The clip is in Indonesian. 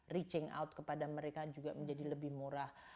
reaching out kepada mereka juga menjadi lebih murah